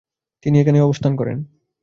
তিনি এখানেই অবস্থান করেন।